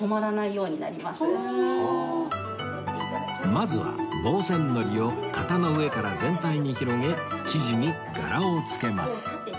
まずは防染糊を型の上から全体に広げ生地に柄をつけます